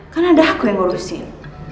kan ada aku yang ngurusin